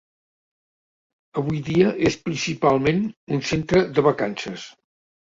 Avui dia és principalment un centre de vacances.